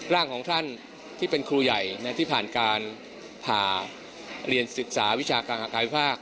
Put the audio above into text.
ร่างของท่านที่เป็นครูใหญ่ที่ผ่านการผ่าเรียนศึกษาวิชาการอาการวิภาค